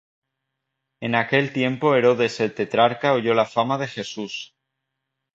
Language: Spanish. En aquel tiempo Herodes el tetrarca oyó la fama de Jesús,